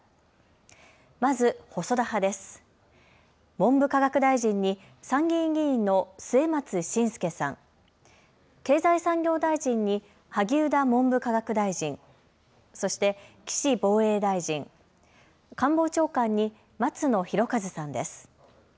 文部科学大臣に参議院議員の末松信介さん、経済産業大臣に萩生田文部科学大臣、そして岸防衛大臣、官房長官に松野博一さんです。